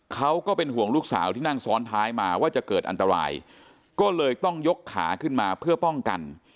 ก็เป็นห่วงลูกสาวที่นั่งซ้อนท้ายมาว่าจะเกิดอันตรายก็เลยต้องยกขาขึ้นมาเพื่อป้องกัน